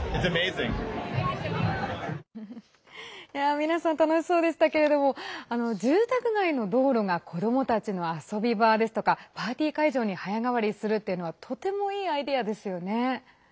皆さん楽しそうでしたけど住宅街の道路が子どもたちの遊び場ですとかパーティー会場に早変わりするのはとてもいいアイデアですよね。